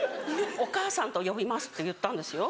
『お母さん』と呼びます」って言ったんですよ。